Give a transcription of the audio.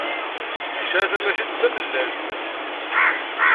Yesɛa tamcict d tamellalt.